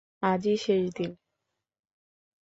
আজই শেষ দিন!